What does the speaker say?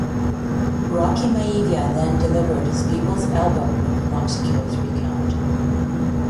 Rocky Maivia then delivered his People's Elbow, but could not secure a three-count.